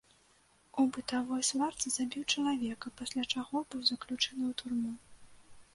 У бытавой сварцы забіў чалавека, пасля чаго быў заключаны ў турму.